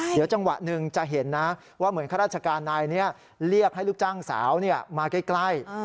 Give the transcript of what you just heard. เดี๋ยวจังหวะหนึ่งจะเห็นนะว่าเหมือนข้าราชการนายนี้เรียกให้ลูกจ้างสาวมาใกล้